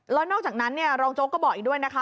แล้วนอกจากนั้นรองโจ๊กก็บอกอีกด้วยนะคะ